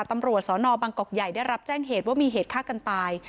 ตำรวจสนบังกอกใหญ่ได้รับแจ้งเหตุว่ามีเหตุฆ่ากันตาย